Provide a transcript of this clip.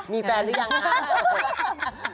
มีแฟนหรือยังคะ